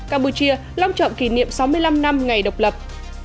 campuchia long trọng kỷ niệm sáu mươi năm năm ngày độc lập